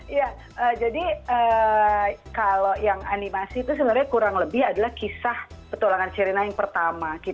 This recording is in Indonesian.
iya jadi kalau yang animasi itu sebenarnya kurang lebih adalah kisah petualangan sherina yang pertama